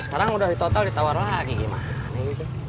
sekarang udah di total ditawar lagi gimana